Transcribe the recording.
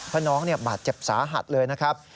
เพราะน้องบาดเจ็บสาหัสเลยนะครับ